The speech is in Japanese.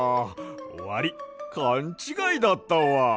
わりいかんちがいだったわ。